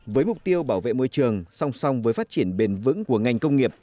với mục tiêu bảo vệ môi trường song song với phát triển bền vững của ngành công nghiệp